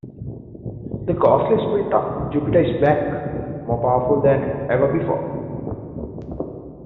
The ghostly spirit of Jupiter is back, more powerful than ever before.